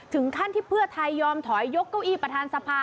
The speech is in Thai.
ถึงขั้นที่เพื่อไทยยอมถอยยกเก้าอี้ประธานสภา